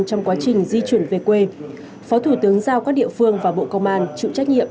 trong quá trình di chuyển về quê phó thủ tướng giao các địa phương và bộ công an chịu trách nhiệm